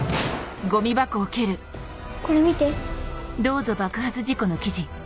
これ見て。